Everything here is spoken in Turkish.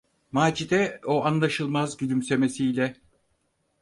Macide o anlaşılmaz gülümsemesiyle: